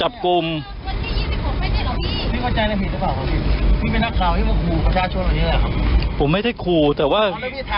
ผมไม่ได้ครูแต่ว่า